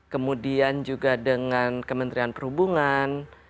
kemudian juga dengan kementerian perhubungan